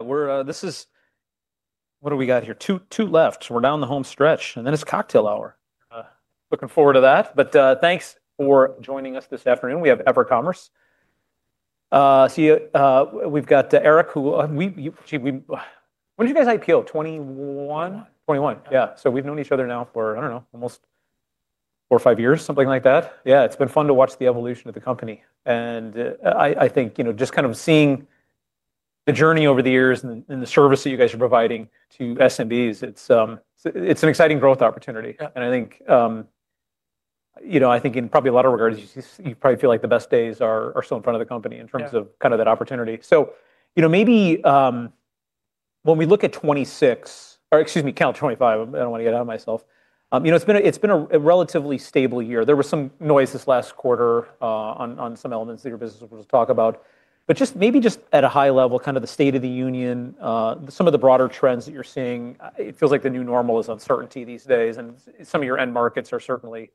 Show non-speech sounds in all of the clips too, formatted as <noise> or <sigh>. We're, this is—what do we got here? Two, two left. We're down the home stretch, and then it's cocktail hour. Looking forward to that. Thanks for joining us this afternoon. We have EverCommerce. See, we've got Eric, who—we, when did you guys IPO? 2021? 2021. Yeah. So we've known each other now for, I don't know, almost four or five years, something like that. Yeah. It's been fun to watch the evolution of the company. I think, you know, just kind of seeing the journey over the years and the service that you guys are providing to SMBs, it's an exciting growth opportunity. I think, you know, in probably a lot of regards, you probably feel like the best days are still in front of the company in terms of kind of that opportunity. You know, maybe, when we look at 2026, or excuse me, count 2025. I don't want to get out of myself. You know, it's been a relatively stable year. There was some noise this last quarter on some elements that your business was talking about, but just maybe just at a high level, kind of the state of the union, some of the broader trends that you're seeing. It feels like the new normal is uncertainty these days, and some of your end markets are certainly,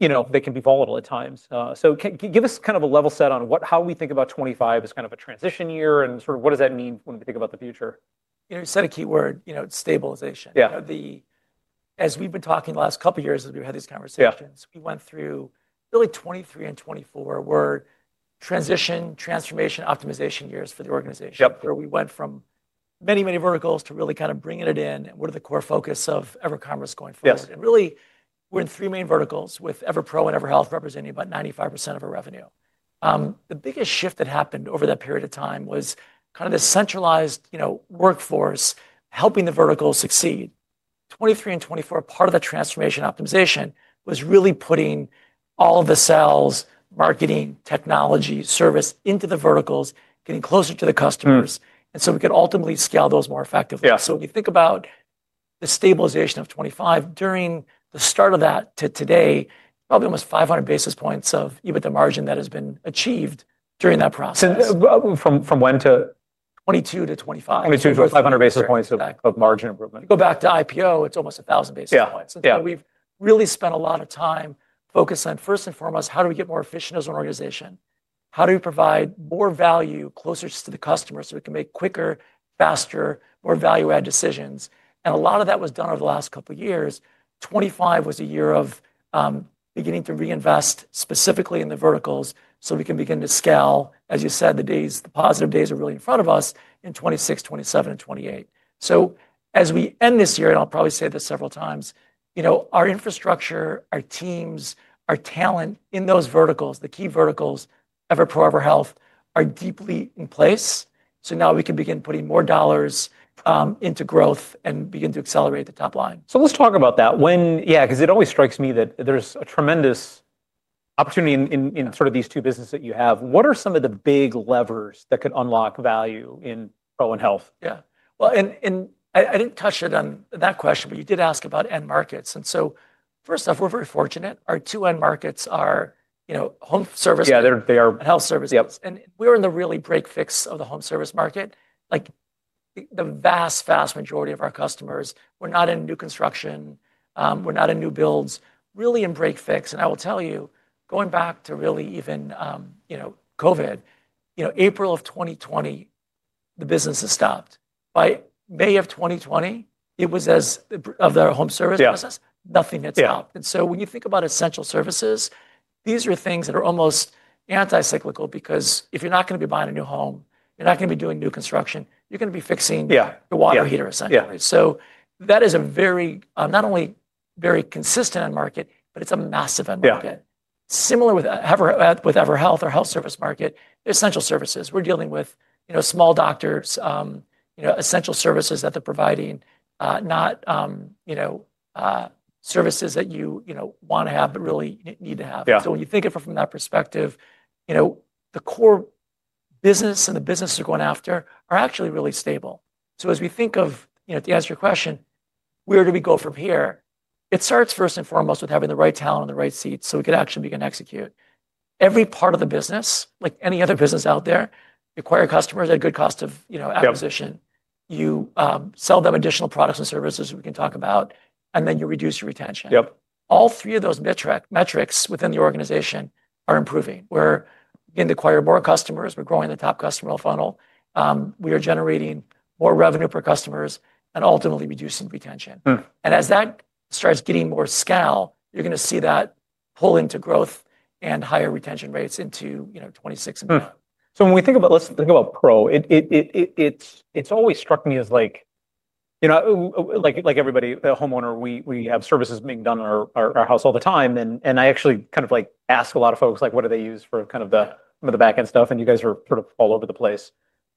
you know, they can be volatile at times. Can you give us kind of a level set on what, how we think about 2025 as kind of a transition year and sort of what does that mean when we think about the future? You know, you said a key word, you know, it's stabilization. You know, as we've been talking the last couple years, as we've had these conversations. We went through really 2023 and 2024 were transition, transformation, optimization years for the organization. Where we went from many, many verticals to really kind of bringing it in and what are the core focus of EverCommerce going forward We are in three main verticals with EverPro and EverHealth representing about 95% of our revenue. The biggest shift that happened over that period of time was kind of the centralized, you know, workforce helping the verticals succeed. 2023 and 2024, part of that transformation optimization was really putting all the sales, marketing, technology, service into the verticals, getting closer to the customers. We could ultimately scale those more effectively. If you think about the stabilization of 2025, during the start of that to today, probably almost 500 basis points of EBITDA margin that has been achieved during that process. Since from when to? 2022 to 2025. 2022 to 2025. 500 basis points of margin improvement. Go back to IPO, it's almost 1,000 basis points. We have really spent a lot of time focused on, first and foremost, how do we get more efficient as an organization? How do we provide more value closer to the customer so we can make quicker, faster, more value-added decisions? A lot of that was done over the last couple years. 2025 was a year of beginning to reinvest specifically in the verticals so we can begin to scale. As you said, the positive days are really in front of us in 2026, 2027, and 2028. As we end this year, and I'll probably say this several times, you know, our infrastructure, our teams, our talent in those verticals, the key verticals, EverPro, EverHealth are deeply in place. Now we can begin putting more dollars into growth and begin to accelerate the top line. Let's talk about that, yeah, 'cause it always strikes me that there's a tremendous opportunity in sort of these two businesses that you have. What are some of the big levers that could unlock value in Pro and Health? Yeah. And I, I didn't touch it on that question, but you did ask about end markets. First off, we're very fortunate. Our two end markets are, you know, home service. Yeah, they are. Health service. We are in the really break fix of the home service market. Like the vast, vast majority of our customers, we're not in new construction, we're not in new builds, really in break fix. I will tell you, going back to really even, you know, COVID, you know, April of 2020, the business has stopped. By May of 2020, it was as of the home service process. Nothing had stopped. When you think about essential services, these are things that are almost anti-cyclical because if you're not gonna be buying a new home, you're not gonna be doing new construction, you're gonna be fixing the water heater assembly. That is a very, not only very consistent end market, but it's a massive end market. Similar with EverHealth or health service market, essential services. We're dealing with, you know, small doctors, you know, essential services that they're providing, not, you know, services that you, you know, wanna have but really need to have. When you think of it from that perspective, you know, the core business and the business they're going after are actually really stable. As we think of, you know, to answer your question, where do we go from here? It starts first and foremost with having the right talent on the right seat so we could actually begin to execute. Every part of the business, like any other business out there, acquire customers at good cost of, you know, acquisition. You sell them additional products and services we can talk about, and then you reduce your retention. All three of those metrics within the organization are improving. We're beginning to acquire more customers. We're growing the top customer funnel. We are generating more revenue per customer and ultimately reducing retention. As that starts getting more scale, you're gonna see that pull into growth and higher retention rates into, you know, 2026 and beyond. When we think about, let's think about Pro, it's always struck me as, you know, like everybody, a homeowner, we have services being done in our house all the time. I actually kind of ask a lot of folks, like, what do they use for kind of some of the backend stuff? You guys are sort of all over the place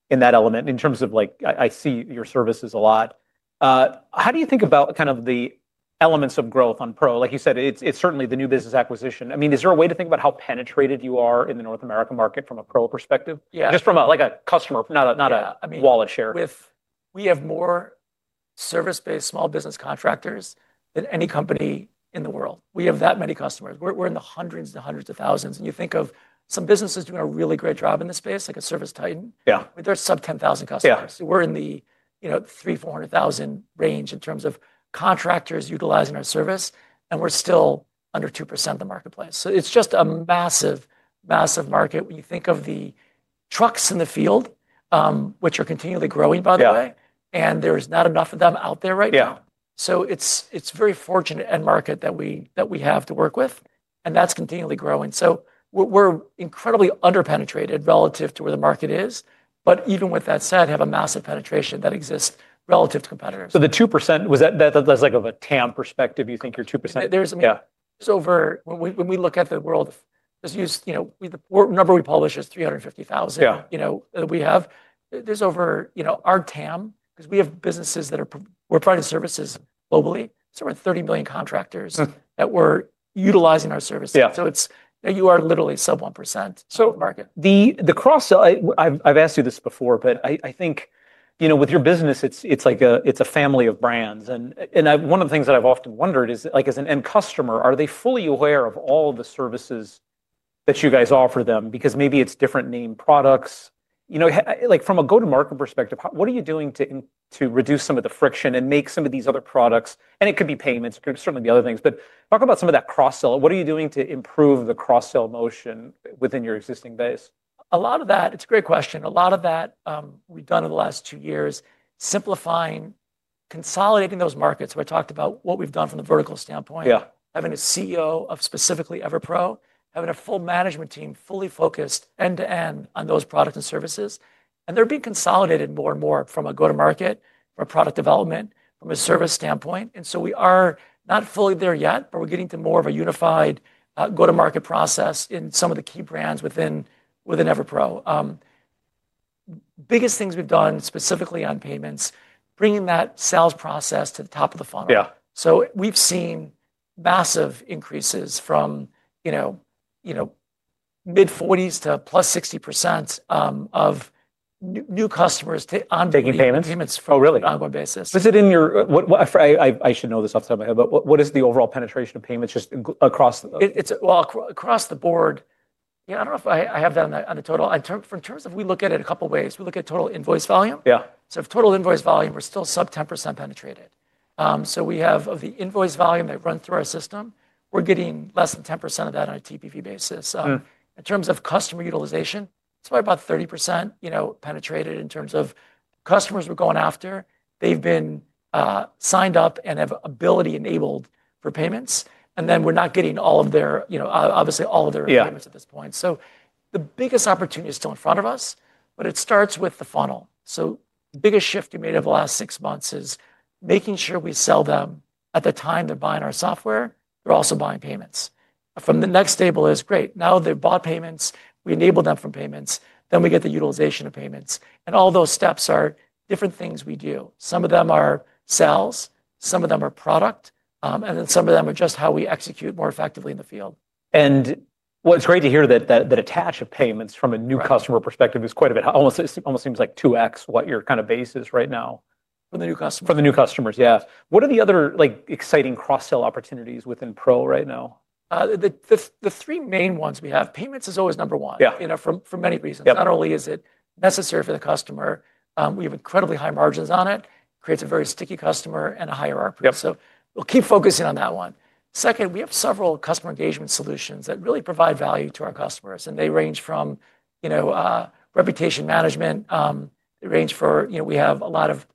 in that element in terms of, like, I see your services a lot. How do you think about the elements of growth on Pro? Like you said, it's certainly the new business acquisition. I mean, is there a way to think about how penetrated you are in the North America market from a Pro perspective? Just from a, like a customer- not a, I mean -wallet share. We have more service-based small business contractors than any company in the world. We have that many customers. We're in the hundreds to hundreds of thousands. You think of some businesses doing a really great job in this space, like ServiceTitan. I mean, there's sub 10,000 customers. We're in the, you know, 300,000-400,000 range in terms of contractors utilizing our service, and we're still under 2% of the marketplace. It's just a massive, massive market. When you think of the trucks in the field, which are continually growing, by the way. There is not enough of them out there right now. It's very fortunate end market that we have to work with, and that's continually growing. We're incredibly underpenetrated relative to where the market is, but even with that said, have a massive penetration that exists relative to competitors. The 2%, was that, that's like of a TAM perspective, you think you're 2%? There's, I mean. There's over, when we look at the world, let's use, you know, the number we publish is 350,000. You know, that we have. There's over, you know, our TAM, 'cause we have businesses that are, we're providing services globally. So we're 30 million contractors that were utilizing our services. It's, you know, you are literally sub 1%. The cross, I, I've asked you this before, but I think, you know, with your business, it's like a, it's a family of brands. One of the things that I've often wondered is, like, as an end customer, are they fully aware of all the services that you guys offer them? Because maybe it's different name products. You know, like from a go-to-market perspective, what are you doing to reduce some of the friction and make some of these other products? It could be payments, it could certainly be other things, but talk about some of that cross-sell. What are you doing to improve the cross-sell motion within your existing base? A lot of that, it's a great question. A lot of that, we've done in the last two years, simplifying, consolidating those markets where I talked about what we've done from the vertical standpoint. Having a CEO of specifically EverPro, having a full management team fully focused end-to-end on those products and services. They're being consolidated more and more from a go-to-market, from a product development, from a service standpoint. We are not fully there yet, but we're getting to more of a unified, go-to-market process in some of the key brands within EverPro. Biggest things we've done specifically on payments, bringing that sales process to the top of the funnel. We've seen massive increases from, you know, mid-forties to +60% of new, new customers to on-. Taking payments? Taking payments for <crosstalk> Oh, really? On a basis. Was it in your, what, what, I should know this off the top of my head, but what, what is the overall penetration of payments just across the? It, it's, across the board, yeah, I don't know if, I have that on the, on the total. In terms, for in terms of, we look at it a couple ways. We look at total invoice volume. If total invoice volume, we're still sub 10% penetrated. We have, of the invoice volume that run through our system, we're getting less than 10% of that on a TPV basis. In terms of customer utilization, it's probably about 30% penetrated in terms of customers we're going after. They've been signed up and have ability enabled for payments. We're not getting all of their, you know, obviously all of their payments at this point. The biggest opportunity is still in front of us, but it starts with the funnel. The biggest shift we made over the last six months is making sure we sell them at the time they're buying our software, they're also buying payments. From the next table is great. Now they've bought payments, we enable them from payments, then we get the utilization of payments. All those steps are different things we do. Some of them are sales, some of them are product, and then some of them are just how we execute more effectively in the field. What's great to hear is that attach of payments from a new customer perspective is quite a bit, it almost seems like 2X what your kind of base is right now. From the new customers. From the new customers, yeah. What are the other, like, exciting cross-sell opportunities within Pro right now? The three main ones we have, payments is always number one. You know, for many reasons. Not only is it necessary for the customer, we have incredibly high margins on it, creates a very sticky customer and a higher RPM. We'll keep focusing on that one. Second, we have several customer engagement solutions that really provide value to our customers. They range from, you know, reputation management, they range for, you know, we have a lot of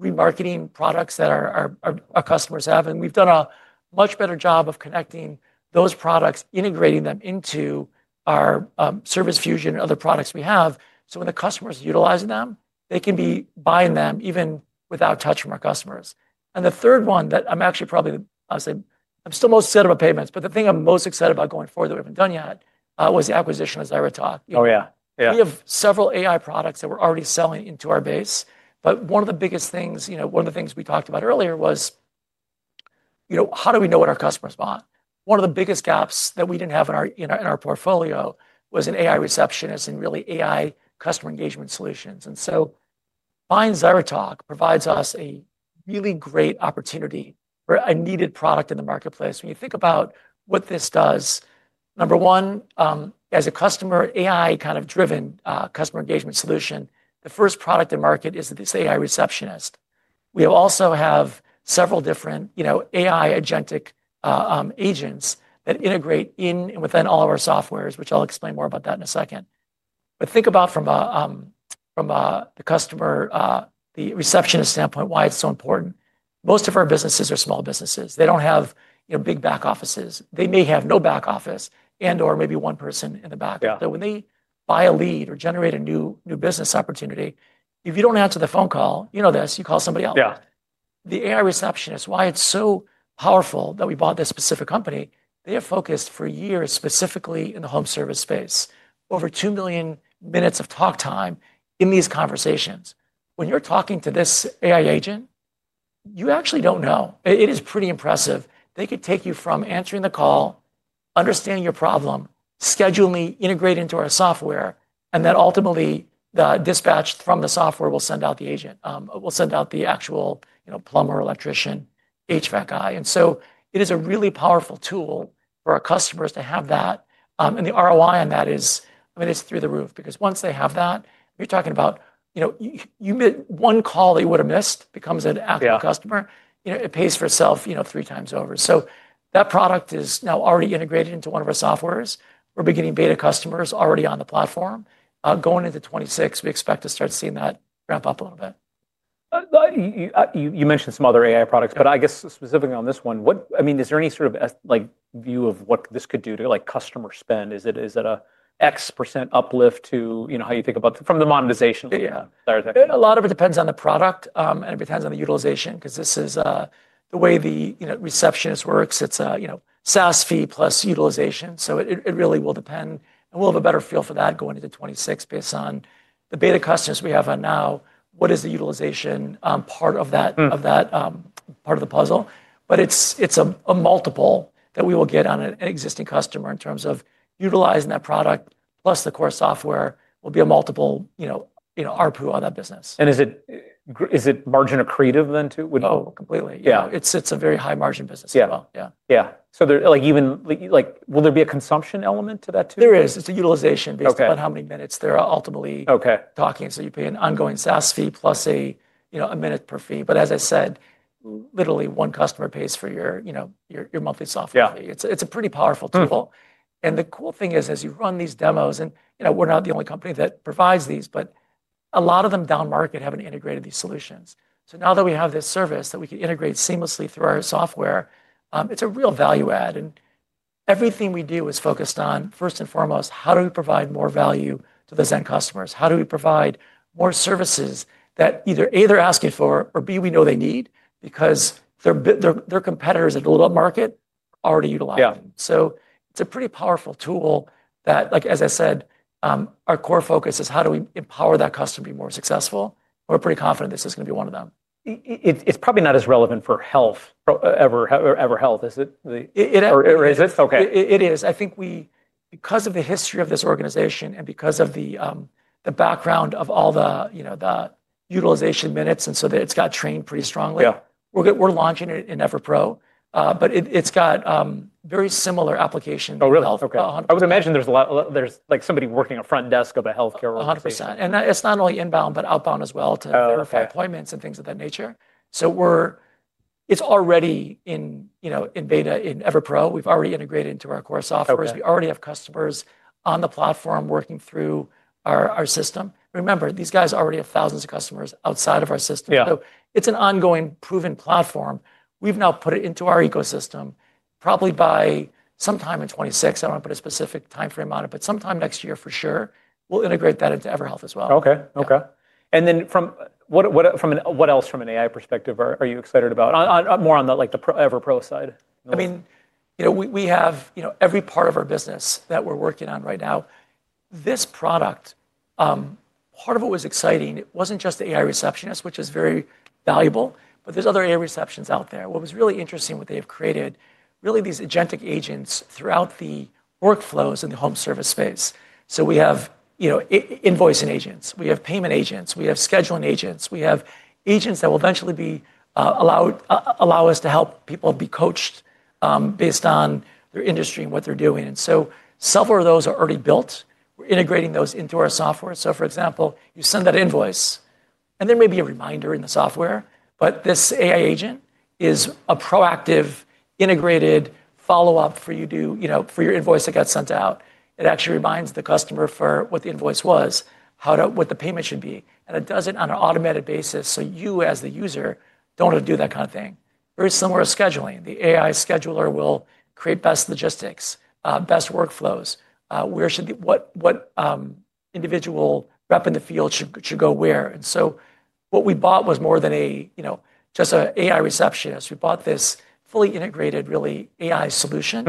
remarketing products that our customers have. We've done a much better job of connecting those products, integrating them into our Service Fusion and other products we have. When the customer's utilizing them, they can be buying them even without touch from our customers. The third one that I'm actually probably, I'll say I'm still most excited about payments, but the thing I'm most excited about going forward that we haven't done yet, was the acquisition of ZyraTalk. We have several AI products that we're already selling into our base. One of the biggest things, you know, one of the things we talked about earlier was, you know, how do we know what our customers want? One of the biggest gaps that we didn't have in our portfolio was in AI receptionists and really AI customer engagement solutions. Buying ZyraTalk provides us a really great opportunity for a needed product in the marketplace. When you think about what this does, number one, as a customer AI kind of driven customer engagement solution, the first product to market is this AI Receptionist. We also have several different, you know, AI agentic agents that integrate in and within all of our softwares, which I'll explain more about that in a second. Think about, from the customer, the receptionist standpoint, why it's so important. Most of our businesses are small businesses. They don't have, you know, big back offices. They may have no back office and/or maybe one person in the back. When they buy a lead or generate a new, new business opportunity, if you don't answer the phone call, you know this, you call somebody else. The AI Receptionist, why it's so powerful that we bought this specific company, they have focused for years specifically in the home service space, over 2 million minutes of talk time in these conversations. When you're talking to this AI agent, you actually don't know. It is pretty impressive. They could take you from answering the call, understanding your problem, scheduling, integrate into our software, and then ultimately the dispatch from the software will send out the agent, will send out the actual, you know, plumber, electrician, HVAC guy. It is a really powerful tool for our customers to have that. The ROI on that is, I mean, it's through the roof because once they have that, you're talking about, you know, you made one call that you would've missed becomes an active customer You know, it pays for itself, you know, three times over. So that product is now already integrated into one of our softwares. We're beginning beta customers already on the platform. Going into 2026, we expect to start seeing that ramp up a little bit. You mentioned some other AI products, but I guess specifically on this one, what, I mean, is there any sort of, like, view of what this could do to, like, customer spend? Is it, is it a X% uplift to, you know, how you think about from the monetization? ZyraTalk? A lot of it depends on the product, and it depends on the utilization 'cause this is, the way the, you know, AI Receptionist works. It's a, you know, SaaS fee plus utilization. It really will depend. We'll have a better feel for that going into 2026 based on the beta customers we have on now, what is the utilization, part of that. Of that, part of the puzzle. It's a multiple that we will get on an existing customer in terms of utilizing that product plus the core software will be a multiple, you know, RPU on that business. Is it margin accretive then too? Would- Oh, completely. Yeah. It's a very high margin business as well. Yeah. So there, like, even, like, will there be a consumption element to that too? There is. It's a utilization based. On how many minutes they're ultimately. You pay an ongoing SaaS fee plus a, you know, a minute per fee. As I said, literally one customer pays for your, you know, your monthly software fee. It's a pretty powerful tool. The cool thing is, as you run these demos, and you know, we're not the only company that provides these, but a lot of them down market haven't integrated these solutions. Now that we have this service that we can integrate seamlessly through our software, it's a real value add. Everything we do is focused on, first and foremost, how do we provide more value to those end customers? How do we provide more services that either, A, they're asking for, or B, we know they need because their competitors in the little market are already utilizing them. It is a pretty powerful tool that, like I said, our core focus is how do we empower that customer to be more successful? We are pretty confident this is gonna be one of them. It's probably not as relevant for EverPro, EverHealth. Is it, or is it? It is. It is. I think we, because of the history of this organization and because of the background of all the, you know, the utilization minutes, and so that it's got trained pretty strongly. We're launching it in EverPro, but it's got very similar applications. Oh, really? To healthcare. Okay. I was gonna mention there's a lot, like somebody working a front desk of a healthcare organization. A 100%. That, it's not only inbound but outbound as well to verify. Appointments and things of that nature. We're, it's already in, you know, in Beta in EverPro. We've already integrated into our core software. We already have customers on the platform working through our system. Remember, these guys already have thousands of customers outside of our system. It's an ongoing proven platform. We've now put it into our ecosystem probably by sometime in 2026. I don't wanna put a specific timeframe on it, but sometime next year for sure, we'll integrate that into EverHealth as well. Okay. And then from what else from an AI perspective are you excited about? More on the, like the EverPro side? I mean, you know, we have, you know, every part of our business that we're working on right now. This product, part of what was exciting, it wasn't just the AI Receptionist, which is very valuable, but there's other AI receptionists out there. What was really interesting, what they have created, really these agentic agents throughout the workflows in the home service space. We have invoicing agents, we have payment agents, we have scheduling agents, we have agents that will eventually be allowed, allow us to help people be coached, based on their industry and what they're doing. Several of those are already built. We're integrating those into our software. For example, you send that invoice and there may be a reminder in the software, but this AI agent is a proactive integrated follow-up for you to, you know, for your invoice that got sent out. It actually reminds the customer for what the invoice was, how to, what the payment should be. And it does it on an automated basis. You as the user don't have to do that kind of thing. Very similar scheduling. The AI scheduler will create best logistics, best workflows. Where should the, what individual rep in the field should go where? What we bought was more than a, you know, just an AI Receptionist. We bought this fully integrated, really AI solution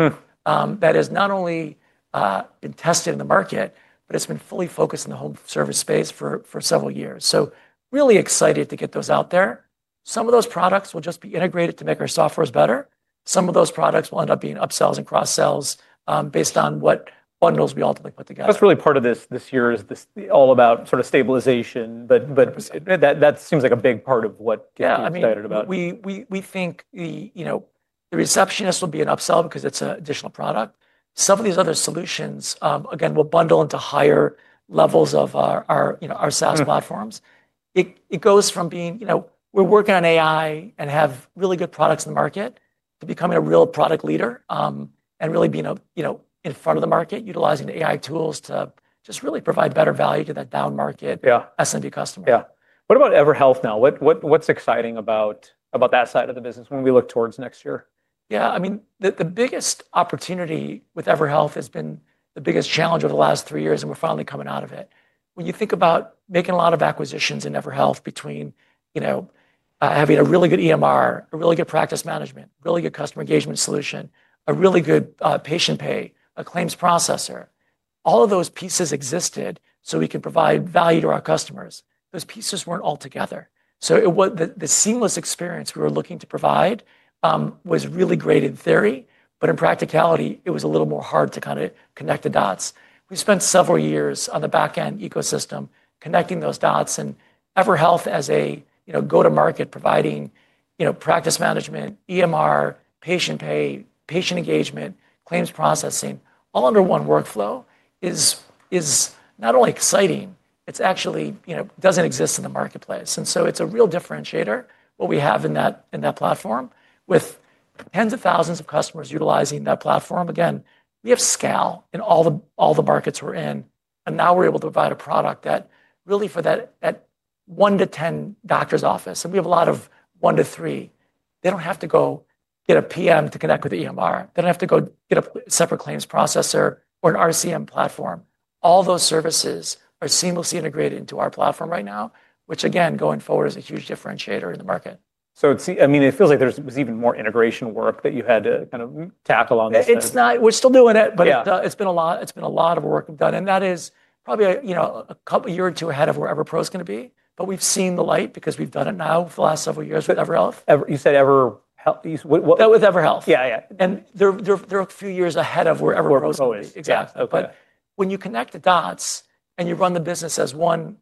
that has not only been tested in the market, but it's been fully focused in the home service space for several years. Really excited to get those out there. Some of those products will just be integrated to make our softwares better. Some of those products will end up being upsells and cross-sells, based on what bundles we ultimately put together. That's really part of this year, is this all about sort of stabilization, but that seems like a big part of what gets you excited about. Yeah. I mean, we think the, you know, the receptionist will be an upsell because it's an additional product. Some of these other solutions, again, will bundle into higher levels of our, you know, our SaaS platforms. It goes from being, you know, we're working on AI and have really good products in the market to becoming a real product leader, and really being, you know, in front of the market utilizing the AI tools to just really provide better value to that down market SMB customer. Yeah. What about EverHealth now? What, what, what's exciting about, about that side of the business when we look towards next year? Yeah. I mean, the biggest opportunity with EverHealth has been the biggest challenge over the last three years, and we're finally coming out of it. When you think about making a lot of acquisitions in EverHealth between, you know, having a really good EMR, a really good practice management, really good customer engagement solution, a really good patient pay, a claims processor, all of those pieces existed so we can provide value to our customers. Those pieces were not altogether. It was the seamless experience we were looking to provide, was really great in theory, but in practicality, it was a little more hard to kind of connect the dots. We spent several years on the backend ecosystem connecting those dots. EverHealth as a, you know, go-to-market providing, you know, practice management, EMR, patient pay, patient engagement, claims processing, all under one workflow is, is not only exciting, it's actually, you know, doesn't exist in the marketplace. It is a real differentiator what we have in that, in that platform with tens of thousands of customers utilizing that platform. Again, we have scale in all the markets we're in. Now we're able to provide a product that really for that, that one to ten doctor's office, and we have a lot of one to three, they don't have to go get a PM to connect with the EMR. They don't have to go get a separate claims processor or an RCM platform. All those services are seamlessly integrated into our platform right now, which again, going forward is a huge differentiator in the market. It seems, I mean, it feels like there was even more integration work that you had to kind of tackle on this side. It's not, we're still doing it. It's been a lot, it's been a lot of work done. That is probably a, you know, a couple year or two ahead of where EverPro's gonna be. We've seen the light because we've done it now for the last several years with EverHealth. Ever, you said EverHealth, what, what? No, with EverHealth. They're a few years ahead of where EverPro's gonna be. EverPro is. Exactly. Okay When you connect the dots and you run the business as one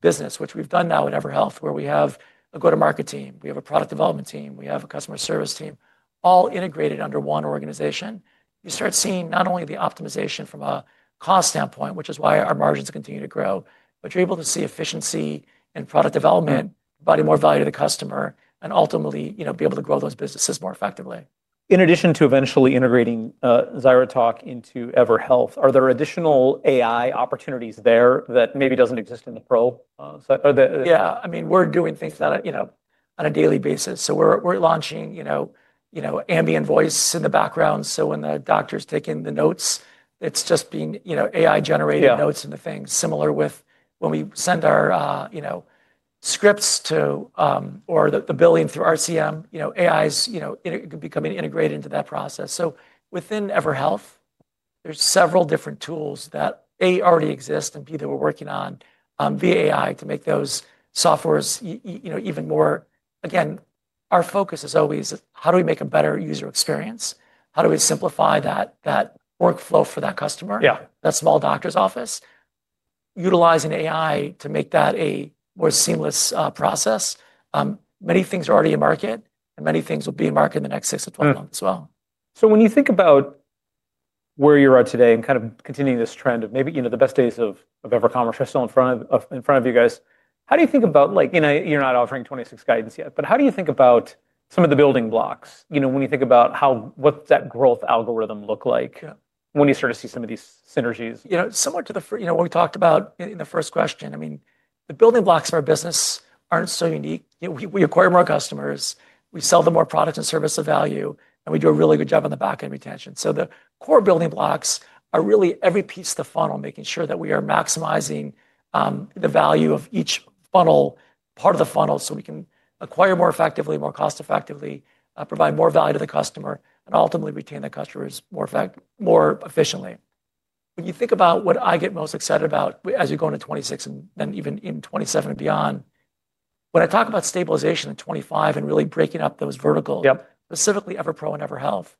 business, which we've done now at EverHealth, where we have a go-to-market team, we have a product development team, we have a customer service team all integrated under one organization, you start seeing not only the optimization from a cost standpoint, which is why our margins continue to grow, but you're able to see efficiency in product development, providing more value to the customer and ultimately, you know, be able to grow those businesses more effectively. In addition to eventually integrating ZyraTalk into EverHealth, are there additional AI opportunities there that maybe don't exist in the pro side? Or the. Yeah. I mean, we're doing things on a, you know, on a daily basis. We're launching, you know, ambient voice in the background. When the doctor's taking the notes, it's just being, you know, AI generated. Notes into things similar with when we send our, you know, scripts to, or the billing through RCM, you know, AI's, you know, it could become integrated into that process. Within EverHealth, there's several different tools that A, already exist and B, that we're working on, via AI to make those softwares, you know, even more. Again, our focus is always how do we make a better user experience? How do we simplify that workflow for that customer? That small doctor's office, utilizing AI to make that a more seamless process. Many things are already in market and many things will be in market in the next 6 months-12 months as well. When you think about where you're at today and kind of continuing this trend of maybe, you know, the best days of EverCommerce are still in front of you guys, how do you think about, like, you know, you're not offering 2026 guidance yet, but how do you think about some of the building blocks? You know, when you think about how, what's that growth algorithm look like when you start to see some of these synergies? You know, similar to what we talked about in the first question, I mean, the building blocks of our business aren't so unique. You know, we acquire more customers, we sell them more products and service of value, and we do a really good job on the backend retention. The core building blocks are really every piece of the funnel, making sure that we are maximizing the value of each part of the funnel, so we can acquire more effectively, more cost-effectively, provide more value to the customer, and ultimately retain the customers more efficiently. When you think about what I get most excited about as we go into 2026 and then even in 2027 and beyond, when I talk about stabilization in 2025 and really breaking up those verticals. Specifically EverPro and EverHealth,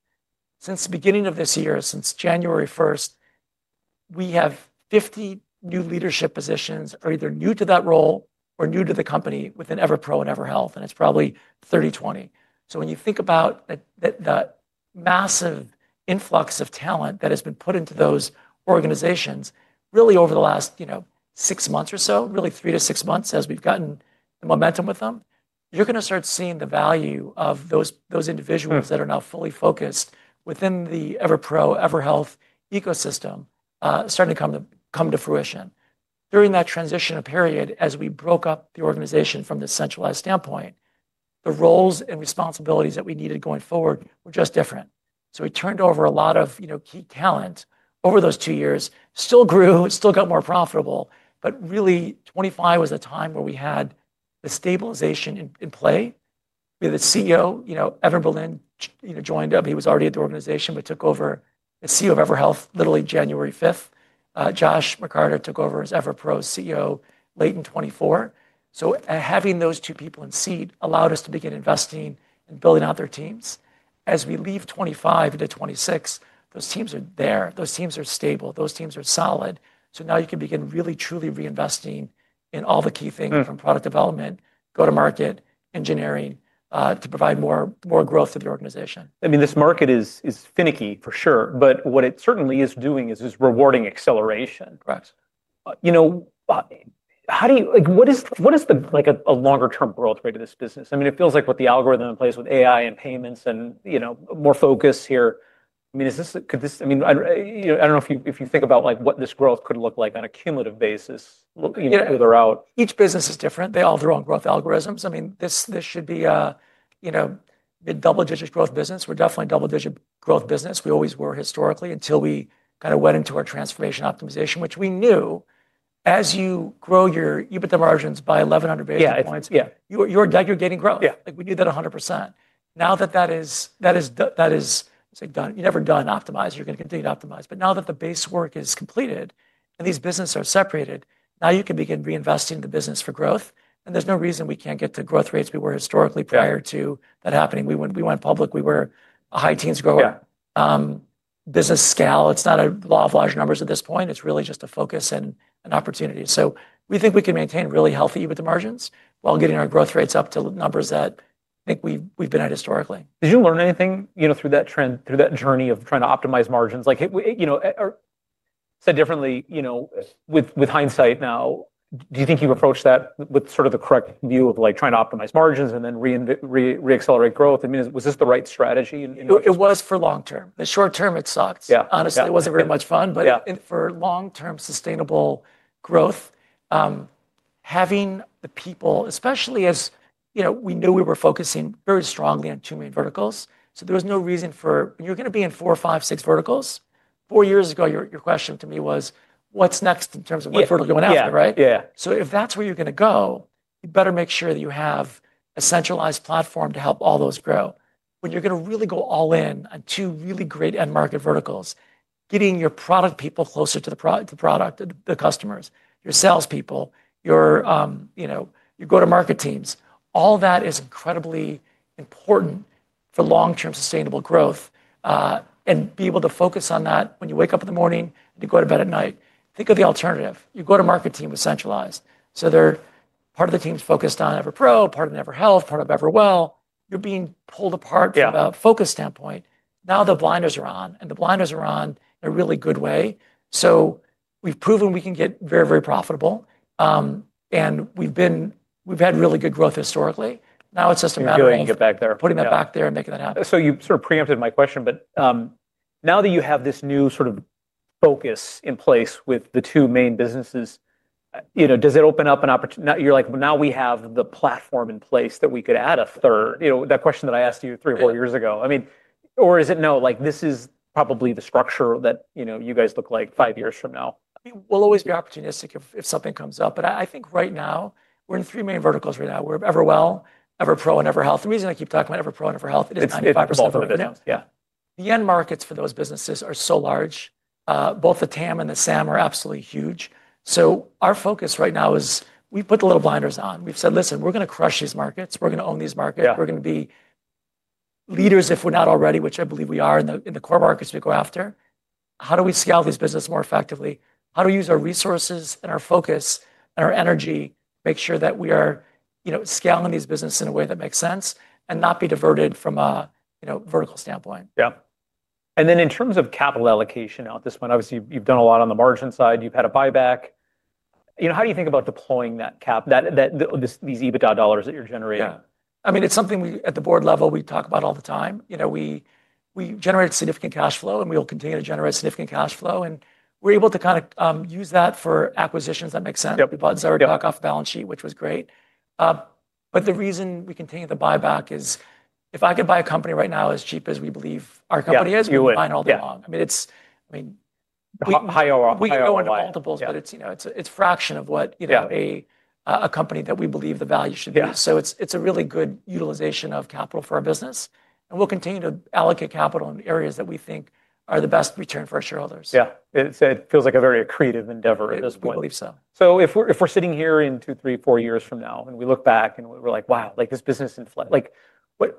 since the beginning of this year, since January 1st, we have 50 new leadership positions either new to that role or new to the company within EverPro and EverHealth, and it's probably 30, 20. When you think about that massive influx of talent that has been put into those organizations really over the last, you know, six months or so, really months as we've gotten the momentum with them, you're gonna start seeing the value of those individuals that are now fully focused within the EverPro, EverHealth ecosystem, starting to come to fruition. During that transition period, as we broke up the organization from the centralized standpoint, the roles and responsibilities that we needed going forward were just different. We turned over a lot of, you know, key talent over those two years, still grew, still got more profitable, but really 2025 was the time where we had the stabilization in, in play. We had the CEO, you know, Evan Berlin, you know, joined up. He was already at the organization, but took over as CEO of EverHealth literally January 5th. Josh McCarter took over as EverPro's CEO late in 2024. Having those two people in seat allowed us to begin investing and building out their teams. As we leave 2025 into 2026, those teams are there, those teams are stable, those teams are solid. Now you can begin really, truly reinvesting in all the key things from product development, go-to-market, engineering, to provide more, more growth to the organization. I mean, this market is finicky for sure, but what it certainly is doing is rewarding acceleration. Correct. You know, how do you, like, what is, what is the, like, a longer-term growth rate of this business? I mean, it feels like with the algorithm in place with AI and payments and, you know, more focus here. I mean, is this, could this, I mean, I, you know, I don't know if you, if you think about, like, what this growth could look like on a cumulative basis, looking further out. Yeah. Each business is different. They all have their own growth algorithms. I mean, this should be a, you know, mid-double-digit growth business. We're definitely a double-digit growth business. We always were historically until we kind of went into our transformation optimization, which we knew as you grow your, you put the margins by 1,100 basis points. You are aggregating growth. Like, we knew that 100%. Now that that is, that is done, that is, it's like done, you're never done optimizing. You're gonna continue to optimize. Now that the base work is completed and these businesses are separated, now you can begin reinvesting the business for growth. There's no reason we can't get to growth rates we were historically prior to that happening. We went public. We were a high teens grower business scale. It's not a lot of large numbers at this point. It's really just a focus and an opportunity. We think we can maintain really healthy EBITDA margins while getting our growth rates up to numbers that I think we've been at historically. Did you learn anything, you know, through that trend, through that journey of trying to optimize margins? Like, we, you know, or said differently, you know, with hindsight now, do you think you approached that with sort of the correct view of like trying to optimize margins and then re-accelerate growth? I mean, was this the right strategy in this? It was for long term. The short term, it sucked. Honestly, it wasn't very much fun. For long-term sustainable growth, having the people, especially as, you know, we knew we were focusing very strongly on two main verticals. There was no reason for, when you're gonna be in four, five, six verticals, four years ago, your question to me was, what's next in terms of what vertical you went after, right? If that's where you're gonna go, you better make sure that you have a centralized platform to help all those grow. When you're gonna really go all in on two really great end market verticals, getting your product people closer to the pro, the product, the customers, your salespeople, your, you know, your go-to-market teams, all that is incredibly important for long-term sustainable growth, and be able to focus on that when you wake up in the morning and you go to bed at night. Think of the alternative. Your go-to-market team was centralized. They're part of the team's focused on EverPro, part of EverHealth, part of EverWell. You're being pulled apart from a focus standpoint. Now the blinders are on, and the blinders are on in a really good way. We've proven we can get very, very profitable. We've been, we've had really good growth historically. Now it's just a matter of putting that back there and making that happen. You sort of preempted my question, but now that you have this new sort of focus in place with the two main businesses, you know, does it open up an opportunity? Now you're like, well, now we have the platform in place that we could add a third, you know, that question that I asked you three or four years ago. I mean, or is it no, like, this is probably the structure that, you know, you guys look like five years from now? We'll always be opportunistic if something comes up. I think right now we're in three main verticals right now. We're EverWell, EverPro, and EverHealth. The reason I keep talking about EverPro and EverHealth, it is 95% of the business. The end markets for those businesses are so large. Both the TAM and the SAM are absolutely huge. Our focus right now is we've put the little blinders on. We've said, listen, we're gonna crush these markets. We're gonna own these markets. We're gonna be leaders if we're not already, which I believe we are in the, in the core markets we go after. How do we scale these businesses more effectively? How do we use our resources and our focus and our energy, make sure that we are, you know, scaling these businesses in a way that makes sense and not be diverted from a, you know, vertical standpoint? Yeah. In terms of capital allocation at this point, obviously you've done a lot on the margin side. You've had a buyback. You know, how do you think about deploying that cap, that, that, these EBITDA dollars that you're generating? Yeah. I mean, it's something we at the board level, we talk about all the time. You know, we generated significant cash flow and we'll continue to generate significant cash flow. And we're able to kind of use that for acquisitions that make sense. We bought ZyraTalk off a balance sheet, which was great. The reason we continue the buyback is if I could buy a company right now as cheap as we believe our company is, we would buy it all day long. I mean, it's, I mean. High, high or off. We go into multiples, but it's, you know, it's a fraction of what, you know, a company that we believe the value should be. It's a really good utilization of capital for our business. We'll continue to allocate capital in areas that we think are the best return for our shareholders. Yeah. It feels like a very creative endeavor at this point. We believe so. If we're sitting here in two, three, four years from now and we look back and we're like, wow, like this business in flight, like what,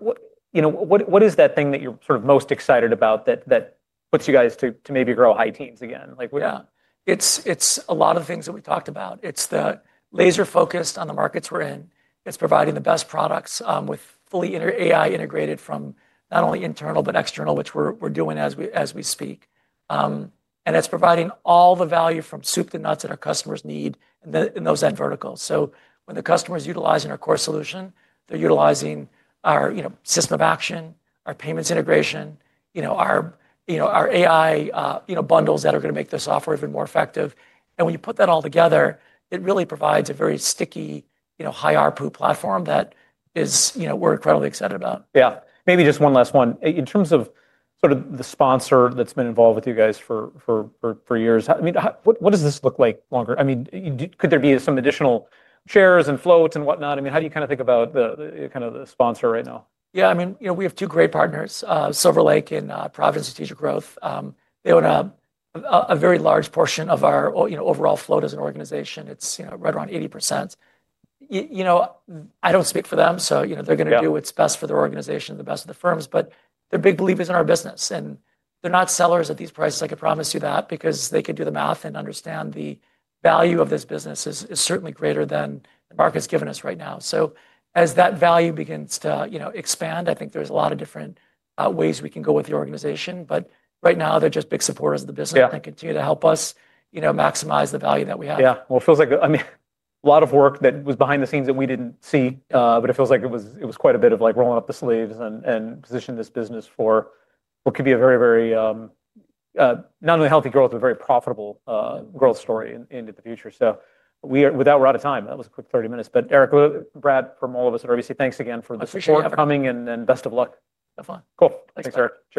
you know, what is that thing that you're sort of most excited about that puts you guys to maybe grow high teens again? Like what? Yeah. It's a lot of the things that we talked about. It's the laser focus on the markets we're in. It's providing the best products, with fully AI integrated from not only internal but external, which we're doing as we speak. It's providing all the value from soup to nuts that our customers need in those end verticals. When the customer's utilizing our core solution, they're utilizing our, you know, system of action, our payments integration, you know, our, you know, our AI, you know, bundles that are gonna make the software even more effective. When you put that all together, it really provides a very sticky, you know, high RPU platform that is, you know, we're incredibly excited about. Yeah. Maybe just one last one. In terms of sort of the sponsor that's been involved with you guys for years, I mean, how, what does this look like longer? I mean, could there be some additional shares and floats and whatnot? I mean, how do you kind of think about the sponsor right now? Yeah. I mean, you know, we have two great partners, Silver Lake and Providence Strategic Growth. They own a very large portion of our, you know, overall float as an organization. It's, you know, right around 80%. You know, I don't speak for them. So, you know, they're gonna do what's best for their organization, the best for the firms, but their big belief is in our business. And they're not sellers at these prices. I could promise you that because they could do the math and understand the value of this business is certainly greater than the market's given us right now. As that value begins to, you know, expand, I think there's a lot of different ways we can go with the organization. Right now they're just big supporters of the business. Continue to help us, you know, maximize the value that we have. Yeah. It feels like, I mean, a lot of work that was behind the scenes that we did not see, but it feels like it was quite a bit of rolling up the sleeves and positioning this business for what could be a very, very, not only healthy growth, but very profitable growth story in the future. We are, with that, out of time. That was a quick 30 minutes. Eric, Brad, from all of us at RBC, thanks again for the support. I appreciate it. For coming and best of luck. Have fun. Cool. Thanks, Eric.Cheers.